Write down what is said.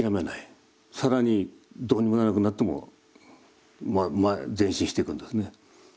更にどうにもならなくなっても前進していくんですね。